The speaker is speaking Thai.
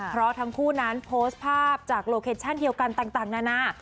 เพราะทั้งคู่นั้นโพสต์ภาพจากโลเคชั่นเดียวกันต่างนานา